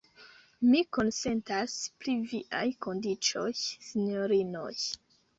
Mi konsentas pri viaj kondiĉoj, sinjorinoj.